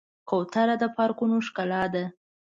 کوتره د پارکونو ښکلا ده.